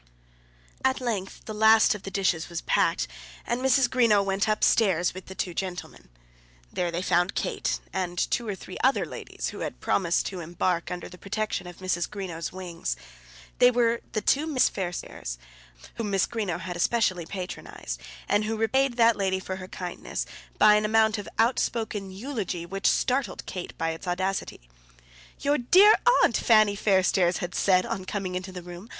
At length the last of the dishes was packed and Mrs. Greenow went up stairs with the two gentlemen. There they found Kate and two or three other ladies who had promised to embark under the protection of Mrs. Greenow's wings. There were the two Miss Fairstairs, whom Mrs. Greenow had especially patronized, and who repaid that lady for her kindness by an amount of outspoken eulogy which startled Kate by its audacity. "Your dear aunt!" Fanny Fairstairs had said on coming into the room.